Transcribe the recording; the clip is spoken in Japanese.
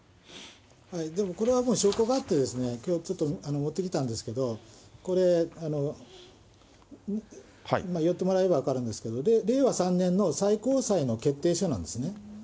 でもこれはもう証拠があって、きょう、ちょっと、持ってきたんですけど、これ、寄ってもらえれば分かるんですけど、令和３年の最高裁の決定書なんですね。